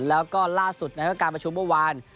แล้วก็ล่าสุดนะครับการประชุมเมื่อวาน